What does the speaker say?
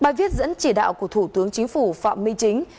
bài viết dẫn chỉ đạo của thủ tướng chính phủ phạm minh chính